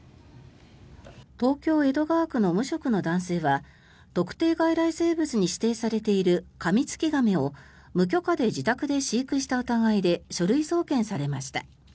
東京・江戸川区の無職の男性は特定外来生物に指定されているカミツキガメを無許可で自宅で飼育した疑いで書類送検されました。